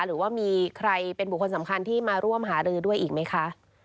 หรือว่ามีใครเป็นบุคคลสำคัญที่มาร่วมหารือด้วยอีกไหมคะ